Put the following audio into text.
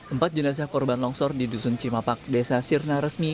empat jenazah korban longsor di dusun cimapak desa sirna resmi